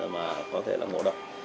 mà có thể gây ra ngộ độc